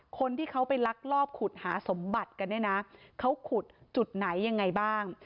คนที่เขาไปลักลอบขุดหาสมบัติกันเนี่ยนะเขาขุดจุดไหนยังไงบ้าง